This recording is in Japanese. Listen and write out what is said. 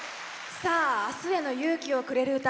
さあ「明日への勇気をくれる歌」